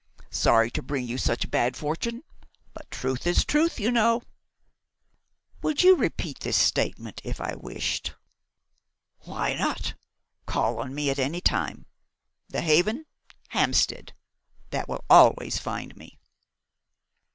Sorry to bring you such bad fortune, but truth is truth, you know." "Would you repeat this statement, if I wished?" "Why not? Call on me at any time. 'The Haven, Hampstead'; that will always find me."